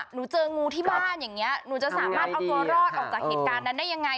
หนูเจองูที่บ้านอย่างนี้หนูจะสามารถเอาตัวรอดออกจากเหตุการณ์นั้นได้ยังไง